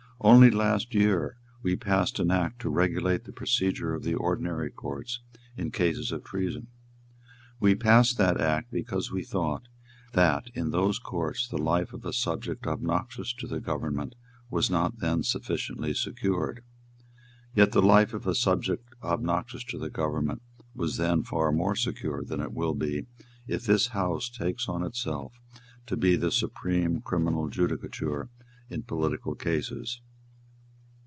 Only last year we passed an Act to regulate the procedure of the ordinary courts in cases of treason. We passed that Act because we thought that, in those courts, the life of a subject obnoxious to the government was not then sufficiently secured. Yet the life of a subject obnoxious to the government was then far more secure than it will be if this House takes on itself to be the supreme criminal judicature in political cases."